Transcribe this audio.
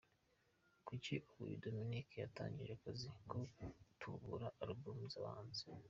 Kuri ubu uyu Dominic yatangije akazi ko gutubura Album z’abahanzi.